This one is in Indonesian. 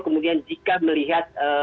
kemudian jika melihat